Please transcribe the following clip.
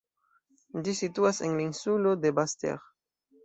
Ĝi situas en la insulo de Basse-Terre.